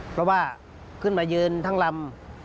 เพราะว่าขึ้นมายืนทั้งลำ